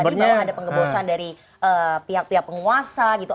memang ada pengebosan dari pihak pihak penguasa gitu